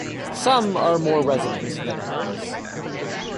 Some are more resonant than others.